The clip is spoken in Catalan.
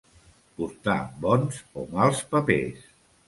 Portar bons o mals papers.